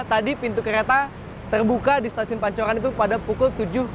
tadi pintu kereta terbuka di stasiun pancoran itu pada pukul tujuh tiga puluh